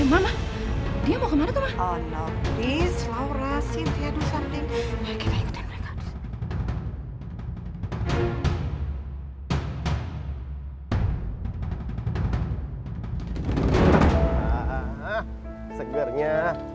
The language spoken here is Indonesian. emang dia mau kemana